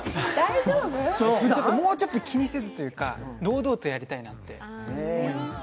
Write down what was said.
もうちょっと気にせずというか堂々とやりたいなと思って。